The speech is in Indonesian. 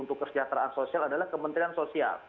untuk kesejahteraan sosial adalah kementerian sosial